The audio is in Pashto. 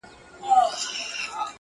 د گران صفت كومه!!